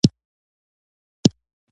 پیرودونکي د کیفیت پر اساس محصول ټاکي.